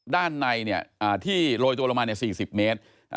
ด้านในที่โรยตัวลงมา๔๐เมตร